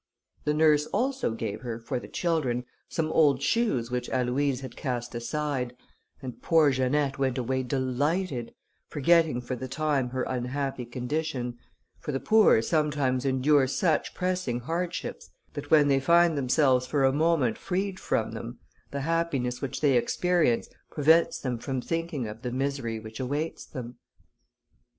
The nurse also gave her, for the children, some old shoes which Aloïse had cast aside, and poor Janette went away delighted, forgetting for the time her unhappy condition, for the poor sometimes endure such pressing hardships, that when they find themselves for a moment freed from them, the happiness which they experience prevents them from thinking of the misery which awaits them.